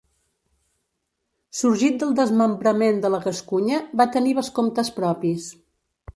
Sorgit del desmembrament de la Gascunya, va tenir vescomtes propis.